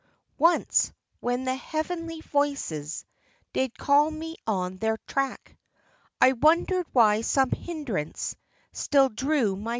Once, when the heavenly voices Did call me on their track, I wondered why some hindrance Still drew my.